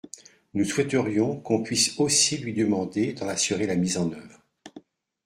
Nous souhaiterions qu’on puisse aussi lui demander d’en assurer la mise en œuvre.